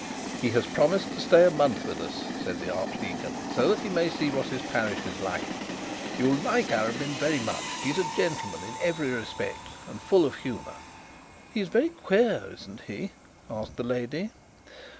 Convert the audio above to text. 'He has promised to stay a month with us,' said the archdeacon, 'so that he may see what his parish is like. You'll like Arabin very much. He's a gentleman in every respect, and full of good humour.' 'He's very queer, isn't he?' asked the wife.